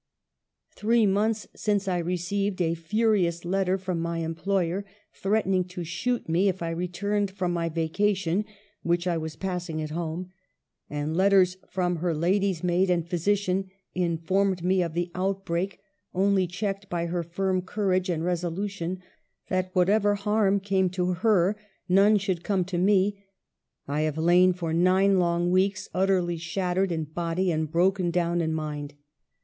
Three months since I received a furious letter from my employer, threatening to shoot me if I returned from my vacation which I was passing at home ; and letters from her lady's maid and physician informed me of the outbreak, only checked by her firm courage and resolution that whatever harm came to her none should come to me. ... I have lain for nine long weeks, utterly shattered in body and broken down in mind.